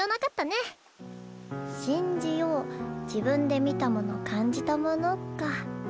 「信じよう自分で見たもの感じたもの」か。